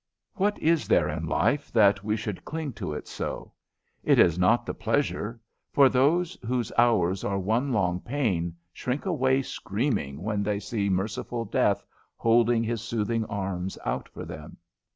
What is there in life that we should cling to it so? It is not the pleasures, for those whose hours are one long pain shrink away screaming when they see merciful Death holding his soothing arms out for them.